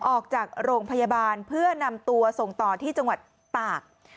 ออกจากโรงพยาบาลเพื่อนำตัวส่งต่อที่จังหวัดตาก